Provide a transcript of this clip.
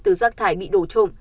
từ rác thải bị đổ trộm